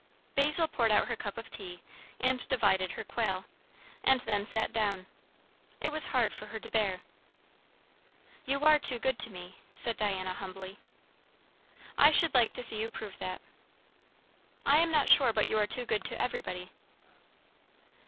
Basil poured out her cup of tea, and divided her quail, and then sat down. It was hard for her to bear. "You are too good to me," said Diana humbly. "I should like to see you prove that." "I am not sure but you are too good to everybody."